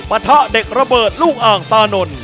ปะทะเด็กระเบิดลูกอ่างตานนท